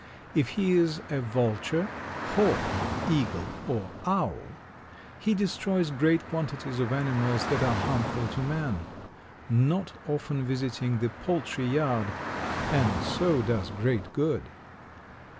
If he is a vulture, hawk, eagle or owl, he destroys great quantities of animals that are harmful to man, not often visiting the poultry yard, and so does great good.